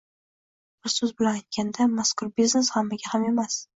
Bir soʻz bilan aytganda, mazkur biznes hammaga ham emas.